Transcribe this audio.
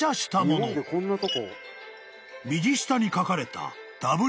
［右下に書かれたＷ．Ｋ］